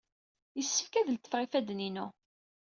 Yessefk ad letfeɣ ifadden-inu.